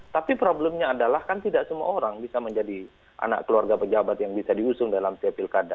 tapi problemnya adalah kan tidak semua orang bisa menjadi anak keluarga pejabat yang bisa diusung dalam setiap pilkada